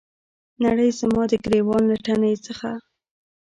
نړۍ زما د ګریوان له تڼۍ څخه